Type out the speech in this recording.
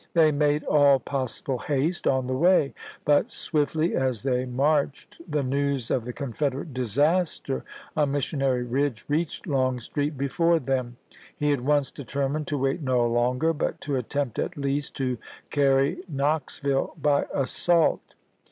They made all possible haste on the way ; but, swiftly as they marched, the news of the Confederate disaster on Missionary Ridge reached Longstreet before them. He at once determined to wait no longer, but to attempt, at least, to carry Knoxville by assault.